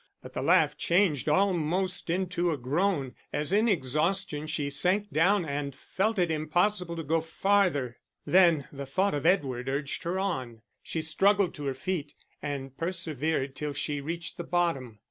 But the laugh changed almost into a groan, as in exhaustion she sank down and felt it impossible to go farther. Then the thought of Edward urged her on. She struggled to her feet, and persevered till she reached the bottom.